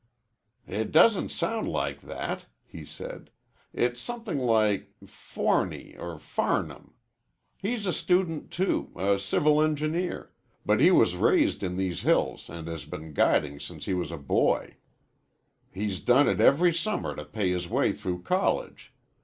"It doesn't sound like that," he said. "It's something like Forney, or Farham. He's a student, too a civil engineer but he was raised in these hills and has been guiding since he was a boy. He's done it every summer to pay his way through college.